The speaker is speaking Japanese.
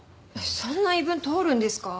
そんな言い分通るんですか？